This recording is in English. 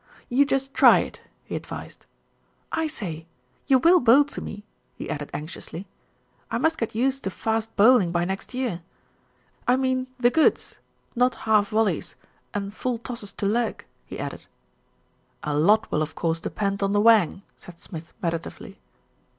"You just try it," he advised. "I say, you will bowl to me?" he added anxiously. "I must get used to fast bowling by next year. I mean 'the goods,' not half volleys and full tosses to leg," he added. U A lot will of course depend on the wang," said Smith meditatively.